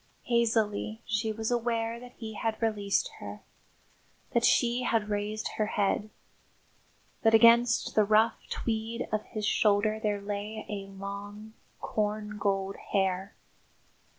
III Hazily she was aware that he had released her; that she had raised her head; that against the rough tweed of his shoulder there lay a long, corn gold hair.